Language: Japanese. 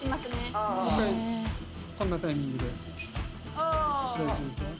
あぁこんなタイミングで大丈夫ですか？